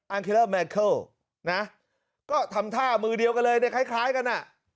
อังกฤษแมคเคิลนะก็ทำท่ามือเดียวกันเลยในคล้ายกันอ่ะ